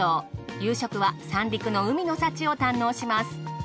夕食は三陸の海の幸を堪能します。